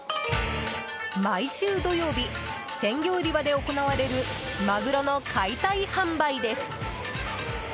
毎週土曜日、鮮魚売り場で行われる、マグロの解体販売です。